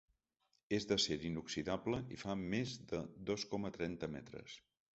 És d’acer inoxidable i fa més de dos coma trenta metres.